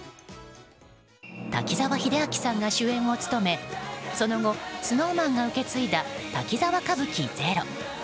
滝沢秀明さんが主演を務めその後、ＳｎｏｗＭａｎが受け継いだ「滝沢歌舞伎ＺＥＲＯ」。